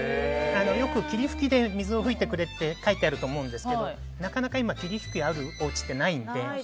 よく霧吹きで水を吹いてくれと書いてあると思うんですがなかなか今、霧吹きがあるおうちってないので。